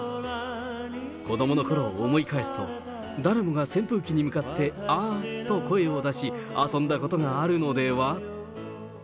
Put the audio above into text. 子どものころを思い返すと、誰もが扇風機に向かって、あーっと声を出し、遊んだことがあるのでは？